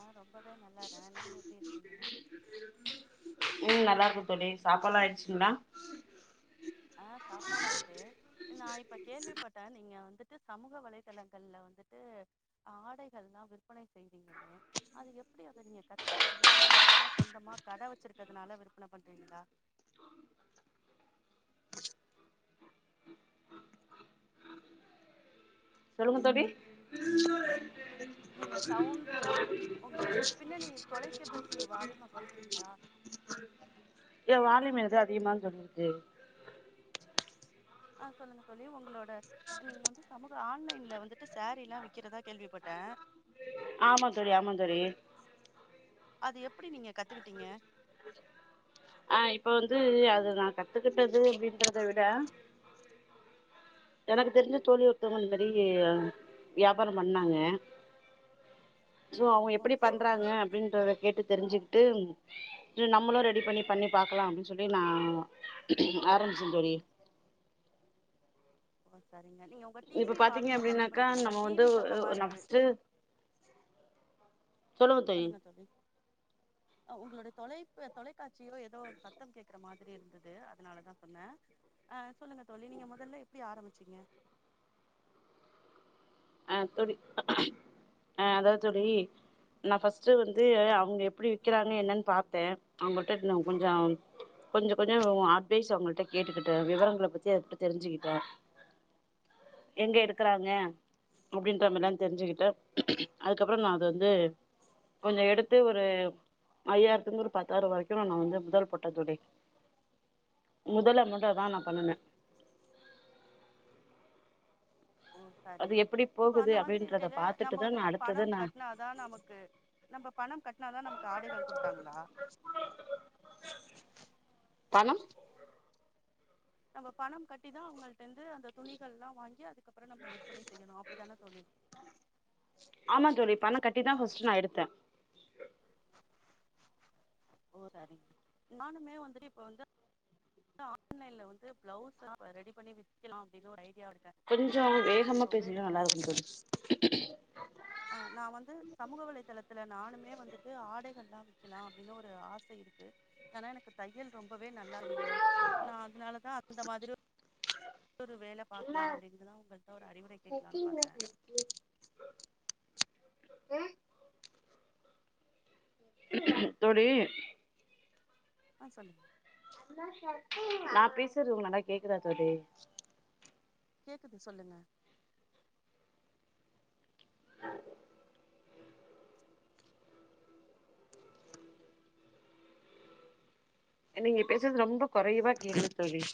ஆ ரொம்பவே நல்லரே நீங்க எப்டி இருக்கீங்க சொல்லி சாப்பால்லா ஆயிடுச்சுங்களா ஆ சாப்பாடு ஆயிட்டு நா இப்ப கேள்விப்பட்டே நீங்க வந்துட்டு சமூக வலைதளங்கல வந்துட்டு ஆடைகல்லாம விற்பனை செய்றீங்கன்னு அது எப்டி அத நீங்க கத்துக்கிட்டீங்களா இல்ல நீங்களா சொந்தமா கட வச்சிருக்கிறனால விற்பனை பண்றீங்களா சொல்லுங்க தோழி நீங்க சவுண்டு உங்க பின்னடி நீ தொலைக்க பேசி வாலியமா குறைச்ச ஏ வாலிம எது அது தெரியுமா சொல்லிருக்கு ஆ சொல்லுங்க தொழி உங்களோட நீங்க வந்து சமூக ஆன்லைன்ல வந்துட்டு சேரீ எல்லா விக்கிறதா கேள்விப்பட்டே ஆமா தோழி ஆமா தோழி அது எப்டி நீங்க கத் ஆ இப்போ வந்து அது அதுதா கத்துக்கிட்டது அப்டின்றத விட எனக்கு தெரிஞ்ச தோழி ஒருத்தவங்க இந்த மாரி வியாபார பண்ணாங்க சோ அவங்க ஓ எப்டி சரிங்க பண்றாங்க அப்டின்றத கேட்டு தெரிஞ்சுக்கிட்டு நம்மளும் ரெடி பண்ணி பண்ணி பாக்கலா அப்டின்னு சொல்லி நா ஆரம்பிச்சே தோழி [unintelligible] நீங்க உங்க இப்ப டிவி பாத்தீங்க வால்யூம கம்மி அப்டின்னாக்கா பண்ணிக்கிறீங்களா நம்ம வந்து டிவி சத்தமா நா இருக்கு ஃபஸ்ட்டு சொல்லுங்க தோழி உங்களுடைய தொலைக் தொலைக்காட்சியோ ஏதோ ஒரு சத்தம் கேக்குற மாரி இருக்கு அதனாலதா சொன்னே ஆ சொல்லுங்க தோழி நீங்க மொதல எப்டி ஆரம்பிச்சீங்க அ அதாவது தோழி நா ஃபர்ஸ்ட்டு வந்து அவங்க எப்டி விக்கிறாங்க என்னன்னு பாத்தே அவங்கள்ட கொஞ்ச கொஞ்ச கொஞ்ச அட்வைஸ் அவங்கள்ட்ட கேட்டுக்கிட்டே விவரங்களை பத்தி அவங்கள்ட்ட தெரிஞ்சுக்கிட்டே எங்க எடுக்கறாங்க அப்டின்றமிரல்லா தெரிஞ்சுக்கிட்டே அதுக்கப்பற நான அது வந்து கொஞ்ச எடுத்து ஒரு ஐயாயிரத்துக்கு ஒரு பத்தாயிர வரைக்கு நா வந்து முதல் போட்டே முதல இதாதா ந ஓ பண்ணுனே ஓ அது சரிங்க எப்டி இப்ப போகுது அந்த மாரி அப்டின்றத இருக்குல நம்ம பாத்துட்டுதா நா வந்துட்டு அடுத்தது பணம் நா கட்னாதா நமக்கு நம்ம பண கட்னாதா நமக்கு ஆடைகள் கொடுத்தாங்களா தனம் நம்ம பணம் கட்டிதா அவங்கள்ட இருந்து அந்த துணிகள்ல்லா வாங்கி அதுக் அக்கப்பற நம்ம விற்பனை செய்யணு அப்டித்தான தோழி ஆமா தோழி பண்ண கட்டிதா ஃஸ்ட்ட்டு நா எடுத்தே ஓ சரிங்க நானுமே வந்து இப்ப வந்து ஆன்லைல வந்து பிளவுஸ் ரெடி பண்ணி விக்கலாம் அப்ப [inaudible] இருக்கே என கொஞ்சோ ந வந்து தயல் வேகமா ரொம்பவே பேசுனீங்கனா நல்லா இருக்கு தெரியு ஆஹ் நா வந்து சமூக வலைதளத்து நானுமே வந்துட்டு ஆடைகல்லாம் விக்கிலாம் அப்டின்னு ஒரு ஒரு ஆச இருக்கு ஆனா எனக்கு தையல் ரொம்பவே நல்லா தெரியும் நான் அதனாலதான் அந்த மாரி [unintelligible] ஒரு வேல பாக்கலா அப்டின்னுதா உங்ககிட்ட ஒரு அறிவுர கேட்கலானு பாத்த ஆஹ் தோழி அ சொல்லுங் நா பேசுறது நல்லா கேக்குதா தோழி கேக்குது சொல்லுங்க நீங்க பேசுறது ரொம்ப கொறைவா கேக்குது தோழி